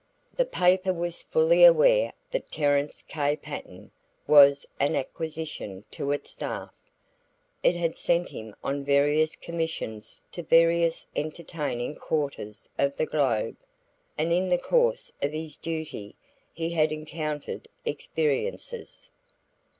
The paper was fully aware that Terence K. Patten was an acquisition to its staff. It had sent him on various commissions to various entertaining quarters of the globe, and in the course of his duty he had encountered experiences.